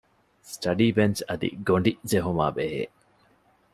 ސްޓަޑީ ބެންޗް އަދި ގޮޑި ޖެހުމާއި ބެހޭ